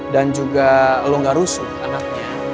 dan juga lo gak rusuh misalnya